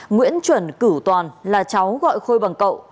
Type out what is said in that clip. nguyễn chuẩn cử toàn là cháu gọi khôi bằng cậu